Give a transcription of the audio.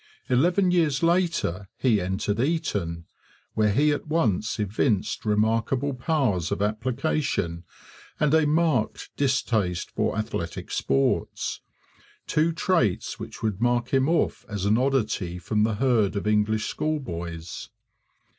Eleven years later he entered Eton, where he at once evinced remarkable powers of application and a marked distaste for athletic sports, two traits which would mark him off as an oddity from the herd of English schoolboys.